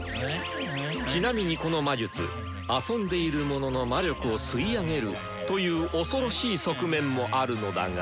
ちなみにこの魔術「遊んでいる者の魔力を吸い上げる」という恐ろしい側面もあるのだが。